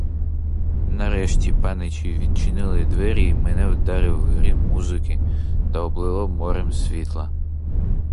Нарешті, паничі відчинили двері й мене вдарив грім музики та облило морем світла.